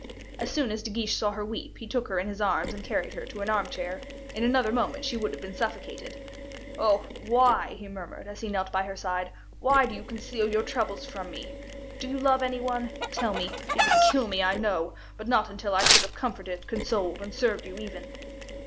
As soon as De Guiche saw her weep, he took her in his arms and carried her to an armchair; in another moment she would have been suffocated. "Oh, why," he murmured, as he knelt by her side, "why do you conceal your troubles from me? Do you love any one tell me? It would kill me, I know, but not until I should have comforted, consoled, and served you even."